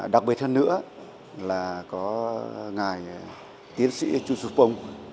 đặc biệt hơn nữa là có ngài tiến sĩ chu xu phong